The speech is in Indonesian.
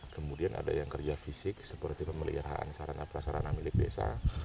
kemudian ada yang kerja fisik seperti pemeliharaan sarana prasarana milik desa